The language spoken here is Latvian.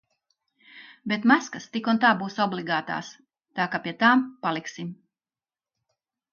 Bet maskas tik un tā būs obligātās, tā ka pie tām paliksim.